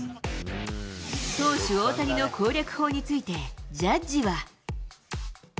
投手、大谷の攻略法について、ジャッジは。